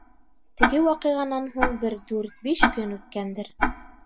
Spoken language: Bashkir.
Теге ваҡиғанан һуң бер дүрт-биш көн үткәндер.